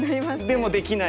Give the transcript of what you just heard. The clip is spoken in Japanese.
でもできない。